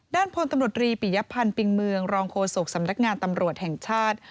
พลตำรวจรีปิยพันธ์ปิงเมืองรองโฆษกสำนักงานตำรวจแห่งชาติ